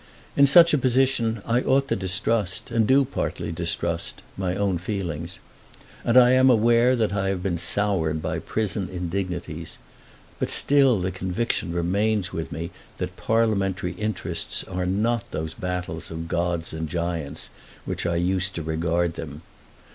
In such a position I ought to distrust, and do, partly, distrust my own feelings. And I am aware that I have been soured by prison indignities. But still the conviction remains with me that parliamentary interests are not those battles of gods and giants which I used to regard them.